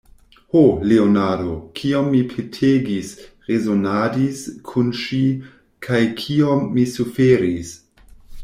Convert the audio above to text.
Ho, Leonardo, kiom mi petegis, rezonadis kun ŝi, kaj kiom mi suferis!